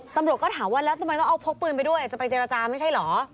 ตำรวจก็ถามว่าแล้วทำไมต้องเอาพกปืนไปด้วยจะไปเจรจาไม่ใช่เหรอ